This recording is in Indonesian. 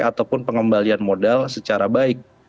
ataupun pengembalian modal secara baik